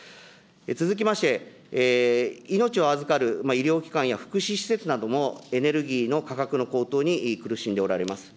続きまして、命を預かる医療機関や福祉施設なども、エネルギーの価格の高騰に苦しんでおられます。